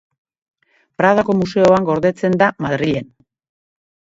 Pradoko Museoan gordetzen da Madrilen.